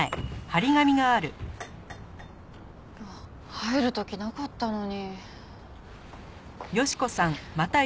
入る時なかったのに。